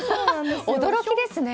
驚きですね。